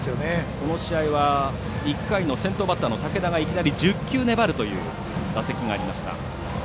この試合は１回の先頭バッターの武田がいきなり１０球粘るという打席がありました。